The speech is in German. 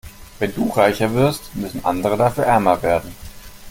Wenn du reicher wirst, müssen andere dafür ärmer werden.